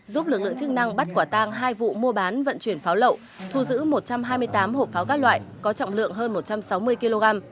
giúp lực lượng chức năng bắt quả tang hai vụ mua bán vận chuyển pháo lậu thu giữ một trăm hai mươi tám hộp pháo các loại có trọng lượng hơn một trăm sáu mươi kg